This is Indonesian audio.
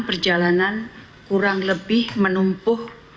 perjalanan kurang lebih menumpuh